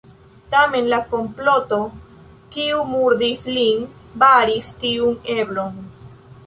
Tamen, la komploto, kiu murdis lin, baris tiun eblon.